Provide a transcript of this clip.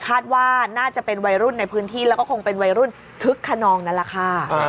คาดว่าน่าจะเป็นวัยรุ่นในพื้นที่แล้วก็คงเป็นวัยรุ่นคึกขนองนั่นแหละค่ะ